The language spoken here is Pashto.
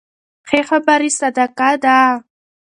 ښې خبرې صدقه ده.